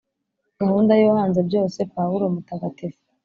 gahunda y’uwahanze byose.pawulo mutagatifu